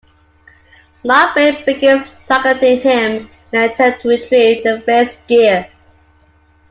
Smart Brain begins targeting him in an attempt to retrieve the Faiz Gear.